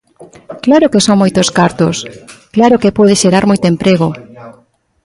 ¡Claro que son moitos cartos!, ¡claro que pode xerar moito emprego!